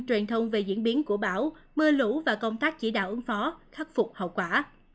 truyền thông về diễn biến của bão mưa lũ và công tác chỉ đạo ứng phó khắc phục hậu quả